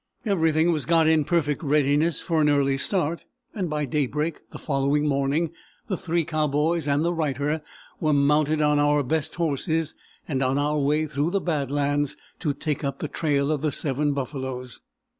Everything was got in perfect readiness for an early start, and by daybreak the following morning the three cowboys and the writer were mounted on our best horses, and on our way through the bad lands to take up the trail of the seven buffaloes.